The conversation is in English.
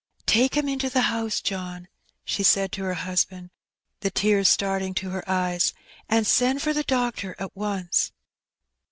"Take him into the house, John," she said to her hus band, the tears starting to her eyes, "and send for the doctor at once."